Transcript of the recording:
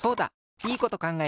いいことかんがえた！